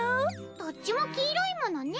どっちも黄色いものね。